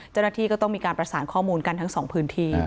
เจ้าหน้าที่ก็ต้องมีการประสานข้อมูลกันทั้งสองพื้นที่